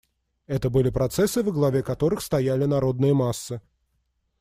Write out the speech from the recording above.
Это были процессы, во главе которых стояли народные массы.